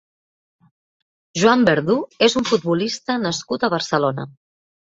Joan Verdú és un futbolista nascut a Barcelona.